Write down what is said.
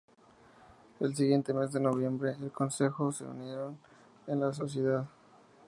El siguiente mes de noviembre, El Consejo se unieron a La Sociedad.